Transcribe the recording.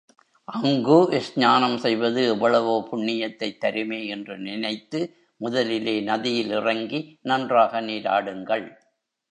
அங்கு ஸ்நானம் செய்வது எவ்வளவோ புண்ணியத்தைத் தருமே என்று நினைத்து முதலிலே நதியில் இறங்கி நன்றாக நீராடுங்கள்.